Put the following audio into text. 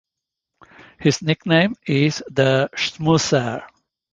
His nickname is The Schmoozer.